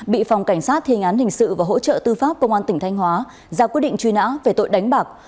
bị phòng cảnh sát thiên án hình sự và hỗ trợ tư pháp công an tỉnh thanh hóa ra quyết định truy nã về tội đánh bạc